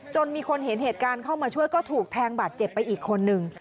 มีคนเห็นเหตุการณ์เข้ามาช่วยก็ถูกแทงบาดเจ็บไปอีกคนนึง